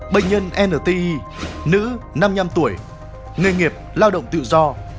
bệnh nhân nti nữ năm mươi năm tuổi nghề nghiệp lao động tự do